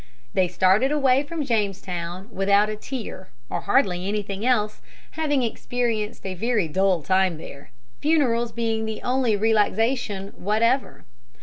They started away from Jamestown without a tear, or hardly anything else, having experienced a very dull time there, funerals being the only relaxation whatever.